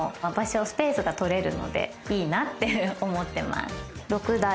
いいなって思ってます。